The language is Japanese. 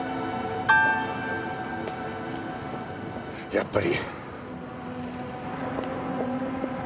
やっぱり。